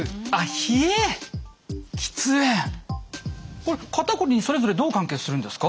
これ肩こりにそれぞれどう関係するんですか？